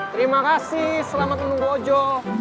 terima kasih selamat menunggu ojo